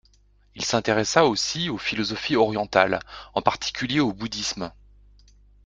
Il s'intéressa aussi aux philosophies orientales, en particulier au bouddhisme.